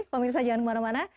kami saja jangan kemana mana